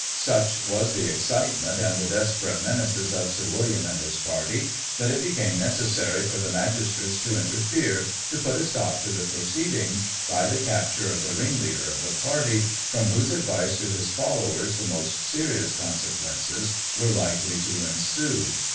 Such was the excitement, and the desperate menaces of Sir William and his party, that it became necessary for the magistrates to interfere to put a stop to the proceedings, by the capture of the ringleader of the pcirty, from whose advice to his followers the most serious consequences were likely to ensue.